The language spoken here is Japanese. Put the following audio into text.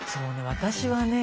私はね